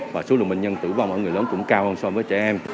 và số lượng bệnh nhân tử vong ở người lớn cũng cao hơn so với trẻ em